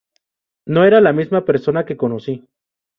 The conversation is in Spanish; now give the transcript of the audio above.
No era la misma persona que conocí".